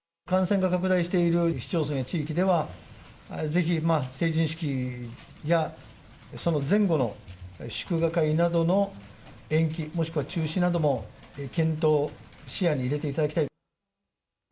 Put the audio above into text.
感染が拡大している市町村や地域では、ぜひ成人式や、その前後の祝賀会などの延期、もしくは中止なども検討・視野に入れていただきたい。